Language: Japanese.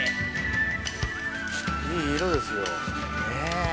いい色ですよ。ねぇ。